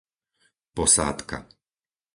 Posádka